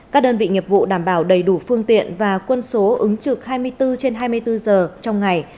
các đơn vị nghiệp vụ đảm bảo đầy đủ phương tiện và quân số ứng trực hai mươi bốn trên hai mươi bốn giờ trong ngày